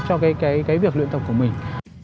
cho cái việc luyện tập của mình